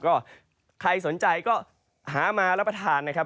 ก็ใครสนใจก็หามารับประทานนะครับ